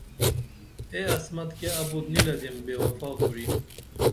اے عصمت کیہ ابُت نی لدیم بے وفا کُری